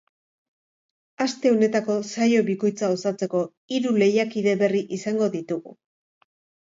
Aste honetako saio bikoitza osatzeko, hiru lehiakide berri izango ditugu.